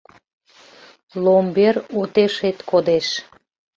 Ломбер отешет кодеш.